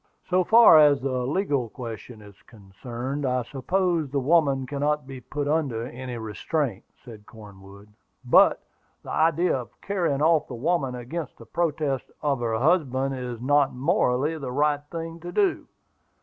"So far as the legal question is concerned, I suppose the woman cannot be put under any restraint," said Cornwood; "but the idea of carrying off the woman against the protest of her husband, is not, morally, the right thing to do.